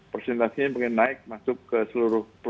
persentasinya makin naik masuk ke seluruh